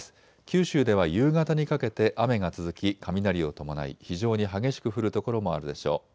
九州では夕方にかけて雨が続き雷を伴い非常に激しく降る所もあるでしょう。